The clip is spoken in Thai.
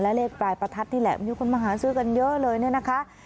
และเลขปลายประทัดนี่แหละมีคนมาหาซื้อกันเยอะเลยเนี่ยนะคะ